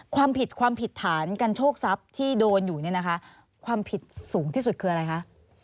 ความผิดความผิดฐานกันโชคทรัพย์ที่โดนอยู่เนี่ยนะคะความผิดสูงที่สุดคืออะไรคะ